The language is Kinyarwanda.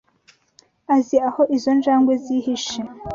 Azi aho izo njangwe zihishe?